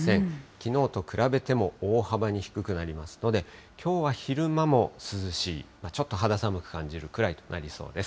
きのうと比べても大幅に低くなりますので、きょうは昼間も涼しい、ちょっと肌寒く感じるくらいとなりそうです。